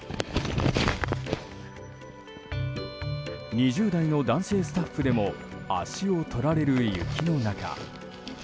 ２０代の男性スタッフでも足を取られる雪の中。